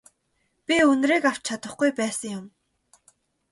Би үнэрийг авч чадахгүй байсан юм.